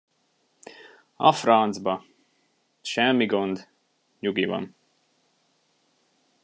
A francba! Semmi gond, nyugi van!